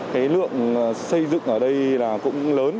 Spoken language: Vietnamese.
cái lượng xây dựng ở đây là cũng lớn